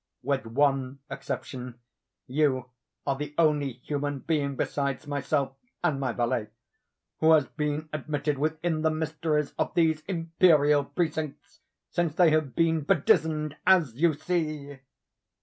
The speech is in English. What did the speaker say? With one exception, you are the only human being besides myself and my valet, who has been admitted within the mysteries of these imperial precincts, since they have been bedizened as you see!"